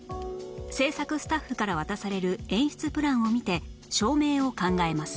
制作スタッフから渡される演出プランを見て照明を考えます